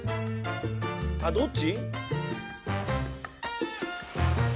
あどっち？